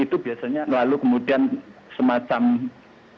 itu biasanya lalu kemudian semacam kondisi psikologis